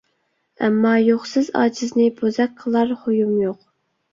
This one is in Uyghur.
ئەمما يوقسىز ئاجىزنى ،بوزەك قىلار خۇيۇم يوق.